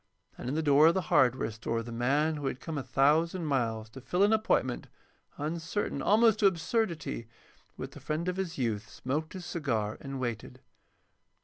And in the door of the hardware store the man who had come a thousand miles to fill an appointment, uncertain almost to absurdity, with the friend of his youth, smoked his cigar and waited.